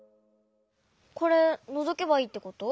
これのぞけばいいってこと？